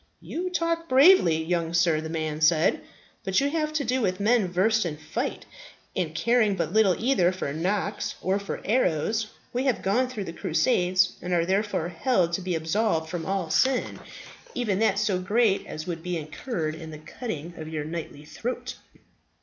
"You talk bravely, young sir," the man said. "But you have to do with men versed in fight, and caring but little either for knocks or for arrows. We have gone through the Crusades, and are therefore held to be absolved from all sin, even that so great as would be incurred in the cutting of your knightly throat."